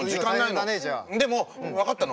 でも分かったの。